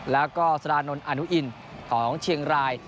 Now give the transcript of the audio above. แล้วก็สรานนท์อนุอินของเชียงราย